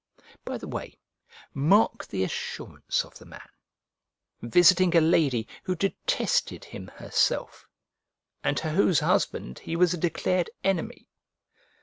By the way, mark the assurance of the man, visiting a lady who detested him herself, and to whose husband he was a declared enemy!